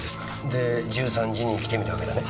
で１３時に来てみたわけだね？